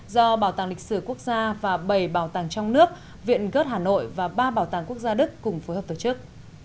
do bảo tàng lịch sử quốc gia và bảy bảo tàng trong nước viện gớt hà nội và ba bảo tàng quốc gia đức cùng phối hợp tổ chức